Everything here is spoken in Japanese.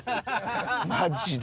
マジで。